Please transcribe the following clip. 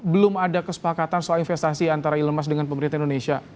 belum ada kesepakatan soal investasi antara elon musk dengan pemerintah indonesia